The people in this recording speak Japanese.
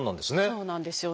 そうなんですよ。